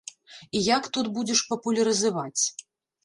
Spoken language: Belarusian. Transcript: І як тут будзеш папулярызаваць?